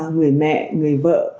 người mẹ người vợ